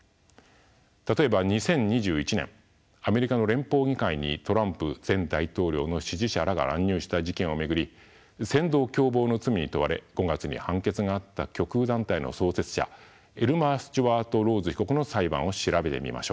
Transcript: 例えば２０２１年アメリカの連邦議会にトランプ前大統領の支持者らが乱入した事件を巡り扇動共謀の罪に問われ５月に判決があった極右団体の創設者エルマー・スチュワート・ローズ被告の裁判を調べてみましょう。